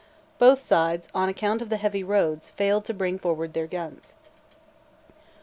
Both sides, on account of the heavy roads, failed to bring forward their guns.